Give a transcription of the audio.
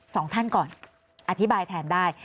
สองท่านก่อนอธิบายแทนได้